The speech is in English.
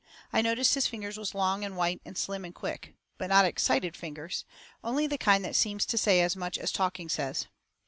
I noticed his fingers was long and white and slim and quick. But not excited fingers; only the kind that seems to say as much as talking says.